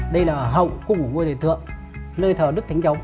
đây là hồng cung của ngôi đền thượng nơi thờ đức thánh giống